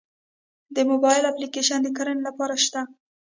د موبایل اپلیکیشن د کرنې لپاره شته؟